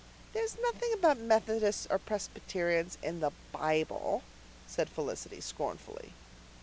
"There's nothing about Methodists or Presbyterians in the Bible," said Felicity scornfully.